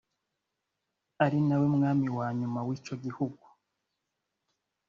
ari nawe Mwami wa nyuma w’icyo gihugu